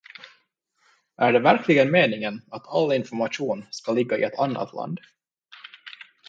Är det verkligen meningen att all information ska ligga i ett annat land?